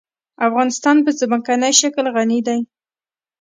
افغانستان په ځمکنی شکل غني دی.